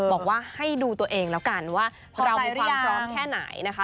บอกว่าให้ดูตัวเองแล้วกันว่าเราเรียกพร้อมแค่ไหนนะคะ